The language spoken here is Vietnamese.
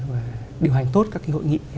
và điều hành tốt các hội nghị